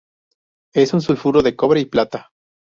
Es un sulfuro de cobre y plata.